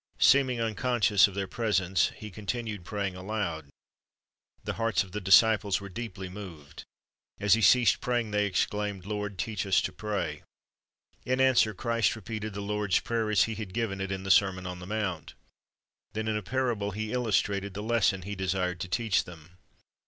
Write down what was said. Seeming unconscious of their presence, He continued praying aloud. The hearts of the disciples were deeply moved. As He ceased praying, they exclaimed, "Lord, teach us to pray." In answer, Christ repeated the Lord's prayer, as He had given it in the sermon on the mount. Then in a parable He illustrated the lesson He desired to teach them.